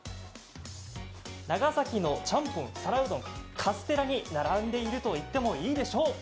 長崎のちゃんぽん、皿うどん、カステラに並んでいるといってもいいでしょう。